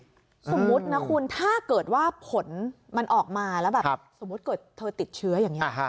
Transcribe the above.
สมมุตินะคุณถ้าเกิดว่าผลมันออกมาแล้วแบบสมมุติเกิดเธอติดเชื้ออย่างนี้